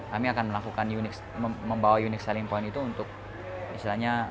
kami akan melakukan membawa unik selling point itu untuk misalnya